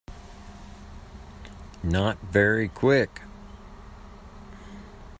Not very Quick.